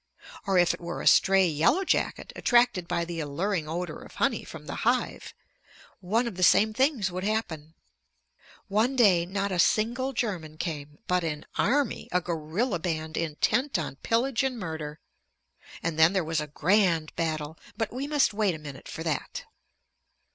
Or if it were a stray yellow jacket attracted by the alluring odor of honey from the hive, one of the same things would happen. One day not a single German came, but an army, a guerrilla band intent on pillage and murder. And then there was a grand battle but we must wait a minute for that.